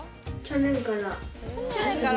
去年からか。